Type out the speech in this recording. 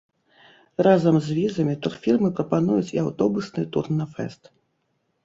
Разам з візамі турфірмы прапануюць і аўтобусны тур на фэст.